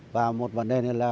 và một vấn đề nữa là